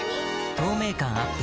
透明感アップ